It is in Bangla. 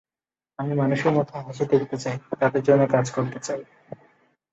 আমি মানুষের মুখে হাসি দেখতে চাই, তাঁদের জন্য কাজ করতে চাই।